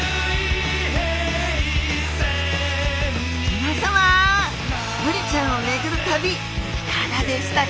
皆さまブリちゃんを巡る旅いかがでしたか？